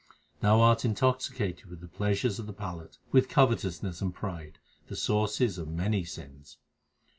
Thou art intoxicated with the pleasures of the palate, with covetousness and pride the sources of many sins.